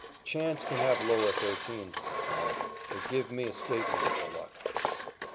"Chance can have 'lower 13,'" says "Mac," "but give me a stateroom for luck."